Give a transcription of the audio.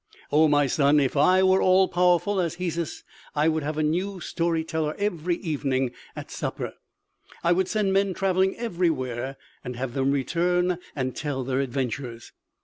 "Oh, my son, if I were all powerful as Hesus, I would have a new story teller every evening at supper." "I would send men traveling everywhere, and have them return and tell their adventures."